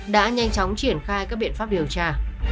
đã nhanh chóng triển khai các biện pháp điều tra